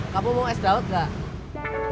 kamu mau es dawet gak